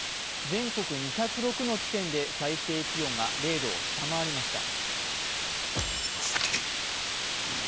全国２０６の地点で、最低気温が０度を下回りました。